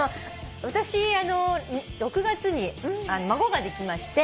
私あの６月に孫ができまして。